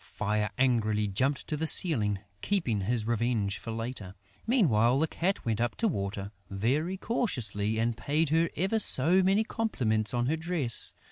Fire angrily jumped to the ceiling, keeping his revenge for later. Meanwhile, the Cat went up to Water, very cautiously, and paid her ever so many compliments on her dress.